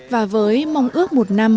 và với mong ước một năm